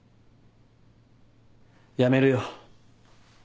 辞めるよ。